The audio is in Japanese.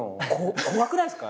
怖くないっすか？